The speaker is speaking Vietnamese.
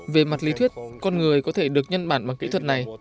về mặt lý thuyết con người có thể được nhân bản bằng kỹ thuật này